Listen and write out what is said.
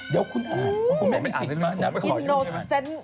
เดี๋ยวคุณอ่านอิโนเซนต์